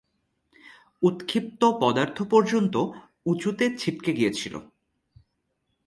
উৎক্ষিপ্ত পদার্থ পর্যন্ত উঁচুতে ছিটকে গিয়েছিল।